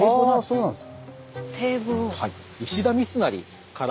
そうなんです。